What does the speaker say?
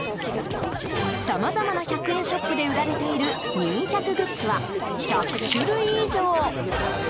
さまざまな１００円ショップで売られているみん１００グッズは１００種類以上。